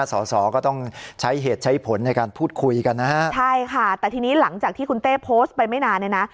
สอสอก็ต้องใช้เหตุใช้ผลในการพูดคุยกันนะฮะใช่ค่ะแต่ทีนี้หลังจากที่คุณเต้โพสต์ไปไม่นานเนี่ยนะ